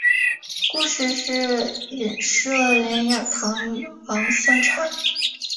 故事是隐射连雅堂与王香禅。